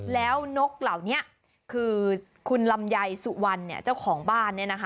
แล้วนกเหล่านี้คือคุณลำไยสุวรรณเจ้าของบ้าน